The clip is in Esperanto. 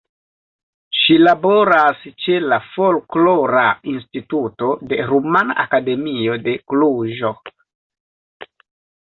Ŝi laboras ĉe la Folklora Instituto de Rumana Akademio de Kluĵo.